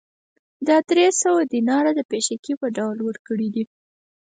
دا درې سوه دیناره د پېشکي په ډول ورکړي دي